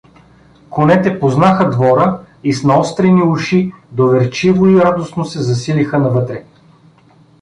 Конете познаха двора и с наострени уши, доверчиво и радостно се засилиха навътре.